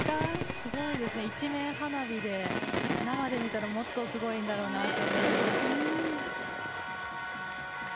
すごいですね、一面花火で生で見たら、もっとすごいんだろうなと。